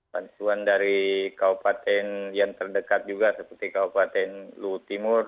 bantuan dari kabupaten yang terdekat juga seperti kabupaten luhut timur